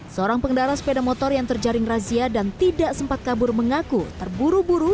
seorang pengendara sepeda motor yang terjaring razia dan tidak sempat kabur mengaku terburu buru